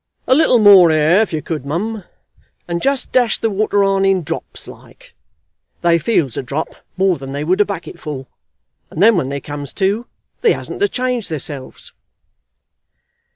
A little more air, if you could, mum; and just dash the water on in drops like. They feels a drop more than they would a bucketful, and then when they comes to they hasn't to change theirselves."